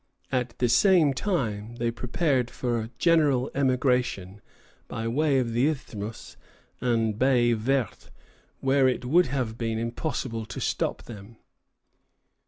At the same time they prepared for a general emigration by way of the isthmus and Baye Verte, where it would have been impossible to stop them.